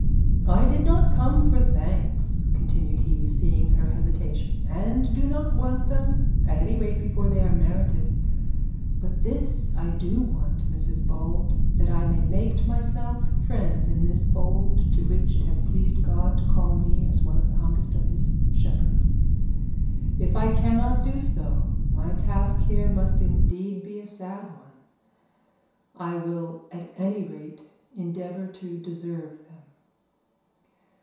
'I did not come for thanks,' continued he, seeing her hesitation; 'and do not want them at any rate before they are merited. But this I do want, Mrs Bold, that I may make myself friends in this fold to which it has pleased God to call me as one of the humblest of his shepherds. If I cannot do so, my task here must indeed be a sad one. I will at any rate endeavour to deserve them.'